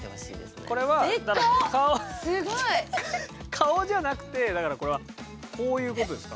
顔じゃなくてだからこれはこういうことですか？